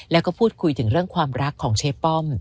แล้วก็พูดคุยถึงเรื่องความรักของเชป้อม